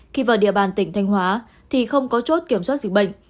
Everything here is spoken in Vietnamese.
khi vào địa bàn tỉnh thanh hóa thì không có chốt kiểm soát dịch bệnh